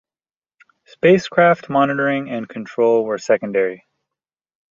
Spacecraft monitoring and control were secondary.